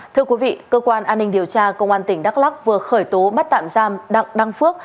thưa quý vị cơ quan an ninh điều tra công an tỉnh đắk lắc vừa khởi tố bắt tạm giam đặng đăng phước